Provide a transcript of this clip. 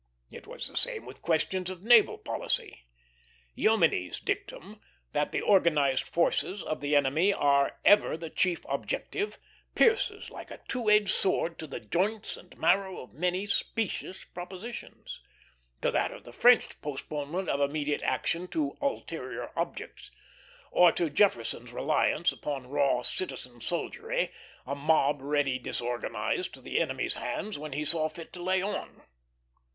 It was the same with questions of naval policy. Jomini's dictum, that the organized forces of the enemy are ever the chief objective, pierces like a two edged sword to the joints and marrow of many specious propositions; to that of the French postponement of immediate action to "ulterior objects," or to Jefferson's reliance upon raw citizen soldiery, a mob ready disorganized to the enemy's hands when he saw fit to lay on.